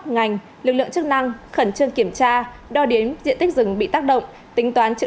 ngành lực lượng chức năng khẩn trương kiểm tra đo đếm diện tích rừng bị tác động tính toán chữ